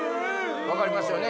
分かりますよね？